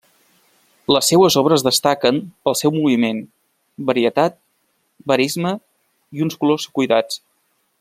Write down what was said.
Les seues obres destaquen pel seu moviment, varietat, verisme, i uns colors cuidats.